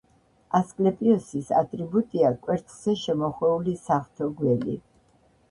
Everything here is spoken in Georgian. ასკლეპიოსის ატრიბუტია კვერთხზე შემოხვეული საღვთო გველი.